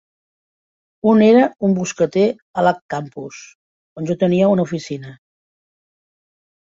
Un era un boscater a l'Ag campus, on jo tenia una oficina.